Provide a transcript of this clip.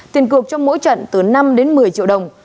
tiền cược trong mỗi trận từ năm đến một mươi triệu đồng